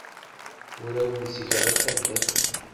Ur awen-ttgeɣ ifadden.